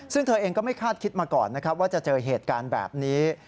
ซึ่งเธอเองก็ไม่คาดคิดมาก่อนนะครับว่าจะเจอเหตุการณ์แบบนี้